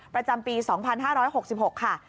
ประจำปีสองพันห้าร้อยหกสิบหกค่ะ